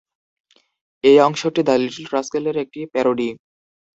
এই অংশটি "the little rascal" এর একটি প্যারোডি।